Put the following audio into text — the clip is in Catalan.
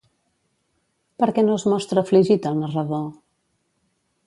Per què no es mostra afligit el narrador?